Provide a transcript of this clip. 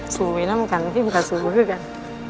สู่วินัมกันพิมกับสู่เมื่อกัน